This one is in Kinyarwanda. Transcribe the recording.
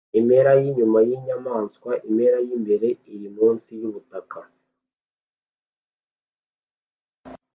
Impera yinyuma yinyamaswa impera yimbere iri munsi yubutaka